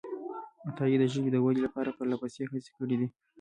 عطایي د ژبې د ودې لپاره پرلهپسې هڅې کړې دي.